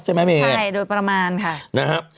ใช่ไหมเป็นไงใช่โดยประมาณค่ะ